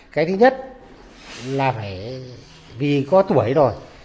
cái thứ nhất là phải vì có tuổi rồi